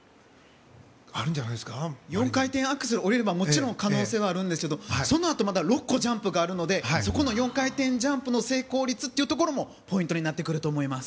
４回転アクセルを降りれば可能性はあるんですがそのあとまだ６個ジャンプがあるのでそこの４回転ジャンプの成功率もポイントになってきます。